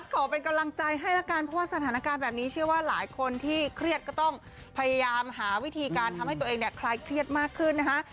ขอเป็นกำลังใจให้ละกันเพราะว่าสถานการณ์แบบนี้เชื่อว่าหลายคนที่เครียดก็ต้องพยายามหาวิธีการทำให้ตัวเองเนี่ยคลายเครียดมากขึ้นนะคะ